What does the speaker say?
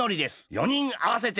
４にんあわせて。